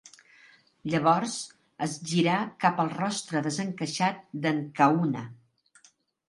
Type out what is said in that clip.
Llavors es girà cap al rostre desencaixat d'en Kahuna.